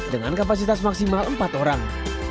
dengan kapasitas maksimal empat orang